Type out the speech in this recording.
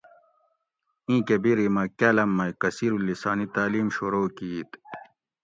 اِیں کۤہ بیری مۤہ کاۤلم مئ کثیرالسانی تعلیم شورو کِیت۔